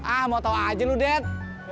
ah mau tau aja lu ded